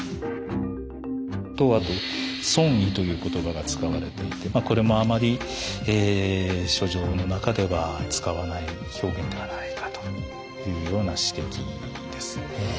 あと「尊意」という言葉が使われていてまあこれもあまり書状の中では使わない表現ではないかというような指摘ですね。